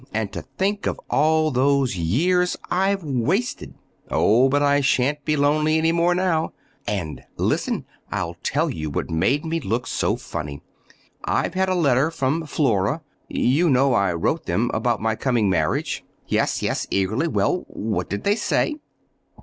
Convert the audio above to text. And to think of all these years I've wasted!" "Oh, but I shan't be lonely any more now. And, listen—I'll tell you what made me look so funny. I've had a letter from Flora. You know I wrote them—about my coming marriage." "Yes, yes," eagerly. "Well, what did they say?"